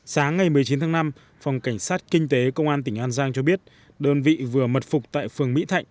sáng ngày một mươi chín tháng năm phòng cảnh sát kinh tế công an tỉnh an giang cho biết đơn vị vừa mật phục tại phường mỹ thạnh